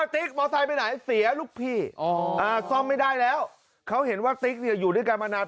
ติ๊กมอไซค์ไปไหนเสียลูกพี่ซ่อมไม่ได้แล้วเขาเห็นว่าติ๊กเนี่ยอยู่ด้วยกันมานาน